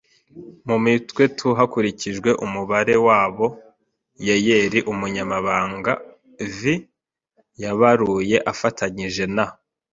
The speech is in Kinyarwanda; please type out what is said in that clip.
mu mitwe t hakurikijwe umubare u w abo Yeyeli umunyamabanga v yabaruye afatanyije na